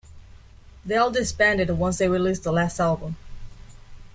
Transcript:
They all disbanded once they released the last album.